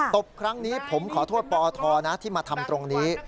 บครั้งนี้ผมขอโทษปอทนะที่มาทำตรงนี้